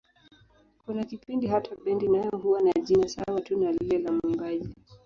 Kuna kipindi hata bendi nayo huwa na jina sawa tu na lile la mwimbaji.